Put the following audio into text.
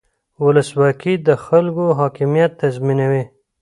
ولسواکي د خلکو حاکمیت تضمینوي